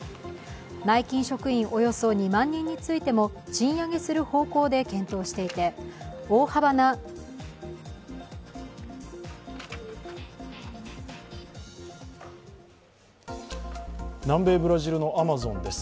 内勤職員およそ２万人についても賃上げする方向で検討していて南米ブラジルのアマゾンです。